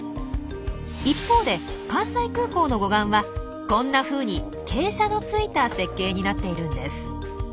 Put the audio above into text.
一方で関西空港の護岸はこんなふうに傾斜のついた設計になっているんです。